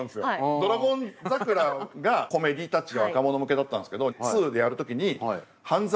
「ドラゴン桜」がコメディータッチで若者向けだったんですけど「２」でやる時に「半沢」